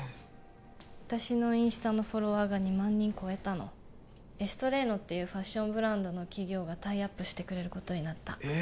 私のインスタのフォロワーが２万人超えたのエストレーノっていうファッションブランドの企業がタイアップしてくれることになったえ